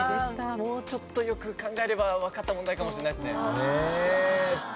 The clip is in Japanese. もうちょっとよく考えればわかった問題かもしれないですね。